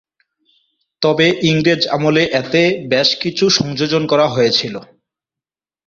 তবে ইংরেজ আমলে এতে বেশ কিছু সংযোজন করা হয়েছিল।